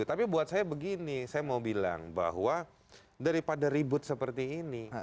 tapi buat saya begini saya mau bilang bahwa daripada ribut seperti ini